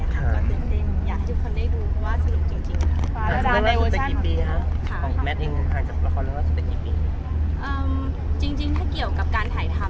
ก็ดื่นเต้นอยากให้ทุกคนได้ดูเพราะว่าสนุกจริงค่ะ